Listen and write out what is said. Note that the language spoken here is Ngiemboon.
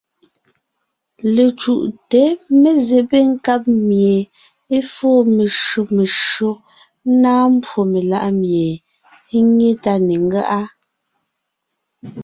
Lecǔʼte mezébé nkáb mie é fóo meshÿó meshÿó, ńnáa mbwó meláʼ mie é nyé tá ne ńgáʼa.